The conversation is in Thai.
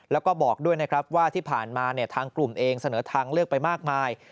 แล้วก็บอกด้วยนะครับว่าที่ผ่านมาทางกลุ่มเองเสนอทางเลือกไปมากมาย